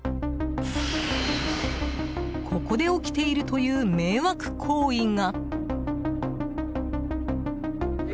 ここで起きているという迷惑行為が。